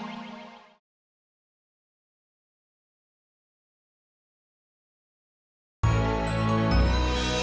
namanya posisi ku